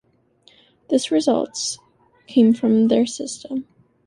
This results came from their system.